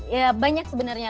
ya banyak sebenarnya